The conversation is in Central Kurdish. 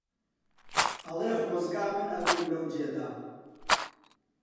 ئەڵێ خۆزگا من ئەبووم لەو جێدا